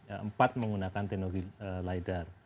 empat menggunakan teknologi lidar